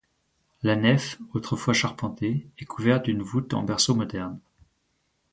La nef, autrefois charpentée, est couverte d'une voute en berceau moderne.